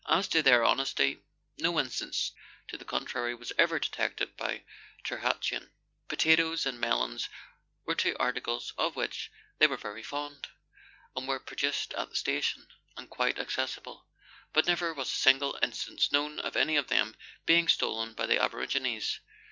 As to their honesty, no instance to the contrary was ever de tected at Tirhatuan. Potatoes and melons were two articles of which they were very fond, and were produced at the station, and quite accessible; but never was a single instance known of any of them being stolen by the aborigines.